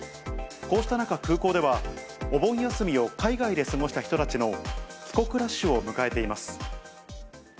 こうした中、空港ではお盆休みを海外で過ごした人たちの帰国ラッシュを迎えています。